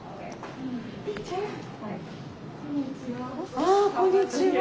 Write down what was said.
あこんにちは。